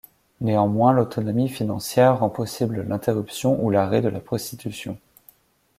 Néanmoins, l'autonomie financière rend possible l'interruption ou l'arrêt de la prostitution.